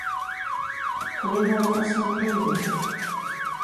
これはわたしのペンです